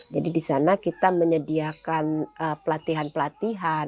jadi di sana kita menyediakan pelatihan pelatihan